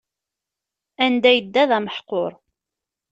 Anda yedda d ameḥqur.